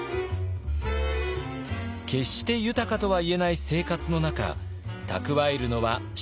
決して豊かとはいえない生活の中蓄えるのは至難の業。